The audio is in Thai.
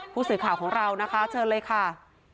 ผู้สื่อข่าวของเรานะคะเชิญเลยค่ะ